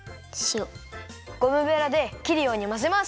ゴムベラできるようにまぜます。